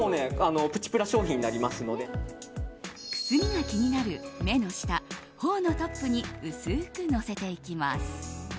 くすみが気になる目の下、頬のトップに薄くのせていきます。